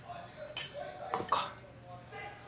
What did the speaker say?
そっか。